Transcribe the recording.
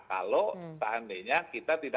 kalau seandainya kita tidak